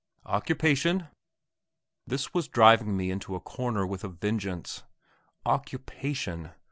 "Occupation?" This was driving me into a corner with a vengeance. Occupation!